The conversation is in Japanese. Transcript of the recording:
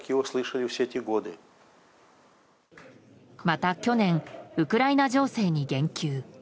また、去年ウクライナ情勢に言及。